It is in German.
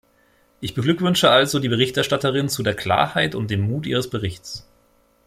Ich beglückwünsche also die Berichterstatterin zu der Klarheit und dem Mut ihres Berichts.